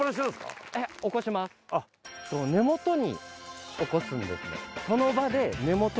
根元に起こすんですね。